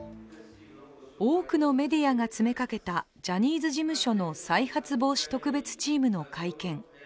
多くのメディアが詰めかけたジャニーズ事務所の再発防止特別チームの会見